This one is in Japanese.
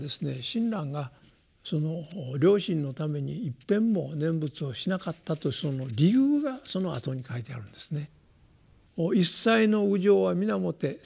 親鸞がその両親のためにいっぺんも念仏をしなかったとその理由がそのあとに書いてあるんですね。